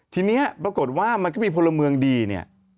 ทีนี้ปรากฏว่ามันก็มีพลเมืองดีเนี่ย